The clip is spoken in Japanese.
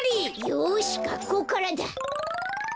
よしがっこうからだ！